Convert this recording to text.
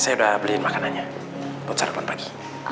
saya udah beliin makanannya buat sarapan pagi